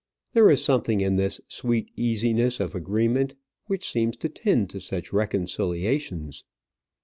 There is something in this sweet easiness of agreement which seems to tend to such reconciliations.